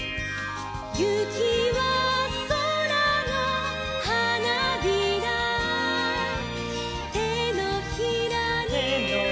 「ゆきはそらのはなびら」「てのひらに」「」